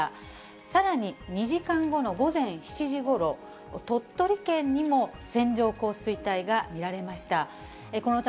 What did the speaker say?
さらに２時間後の午前７時ごろ、鳥取県にも線状降水帯が見られました。